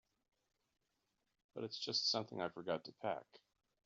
But it's just something I forgot to pack.